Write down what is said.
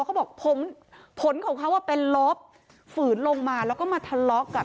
เขาบอกพลเขาเข้าว่าเป็นลบฝืนลงมาแล้วก็มาทะเลาะกับ